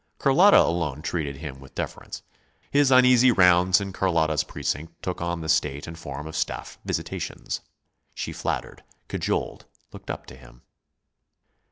Carlotta alone treated him with deference. His uneasy rounds in Carlotta's precinct took on the state and form of staff visitations. She flattered, cajoled, looked up to him.